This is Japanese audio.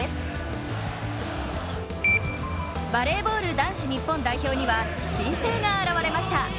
バレーボール男子日本代表には新星が現れました。